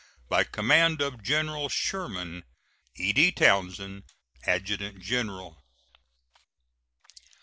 By command of General Sherman: E.D. TOWNSEND, Adjutant General.